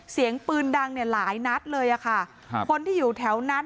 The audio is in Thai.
เสียงปืนดังเนี่ยหลายนัดเลยอ่ะค่ะครับคนที่อยู่แถวนั้น